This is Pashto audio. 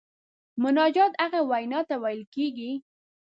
مناجات هغې وینا ته ویل کیږي.